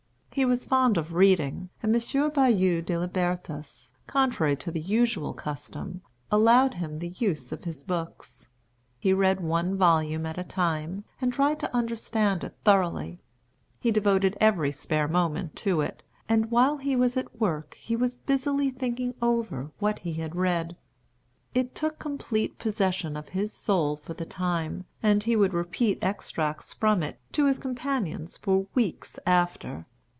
He was fond of reading, and M. Bayou de Libertas, contrary to the usual custom, allowed him the use of his books. He read one volume at a time, and tried to understand it thoroughly. He devoted every spare moment to it, and while he was at work he was busily thinking over what he had read. It took complete possession of his soul for the time, and he would repeat extracts from it to his companions for weeks after.